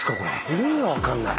意味が分かんない。